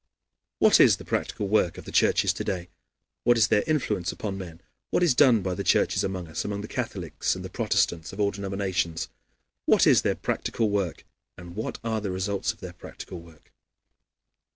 What is the practical work of the churches to day? What is their influence upon men? What is done by the churches among us, among the Catholics and the Protestants of all denominations what is their practical work? and what are the results of their practical work?